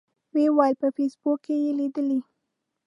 و یې ویل په فیسبوک کې یې لیدلي.